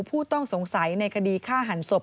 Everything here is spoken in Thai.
ผู้ต้องสงสัยในคดีฆ่าหันศพ